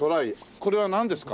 これはなんですか？